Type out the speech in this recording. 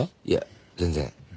いや全然。